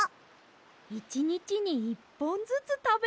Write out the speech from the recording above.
いちにちに１ぽんずつたべれば。